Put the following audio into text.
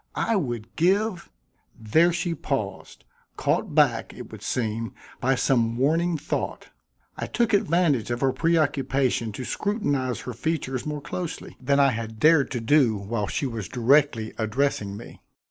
I would give " there she paused, caught back, it would seem, by some warning thought. I took advantage of her preoccupation to scrutinize her features more closely than I had dared to do while she was directly addressing me.